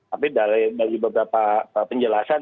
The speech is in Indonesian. tapi dari beberapa penjelasan